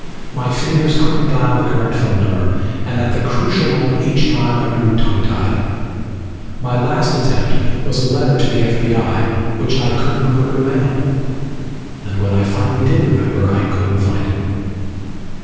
My fingers couldn't dial the correct phone number, and at the crucial moment each time I grew tongue tied. My last attempt was a letter to the F.B.I., which I couldn't remember to mail, and when I finally did remember I couldn't find it.